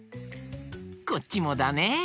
こっちもだね！